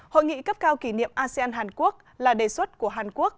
hội nghị cấp cao kỷ niệm asean hàn quốc là đề xuất của hàn quốc